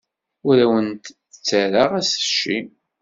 Ur awent-ttarraɣ assecci.